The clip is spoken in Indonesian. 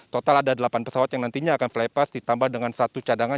total ada delapan pesawat yang nantinya akan flypass ditambah dengan satu cadangan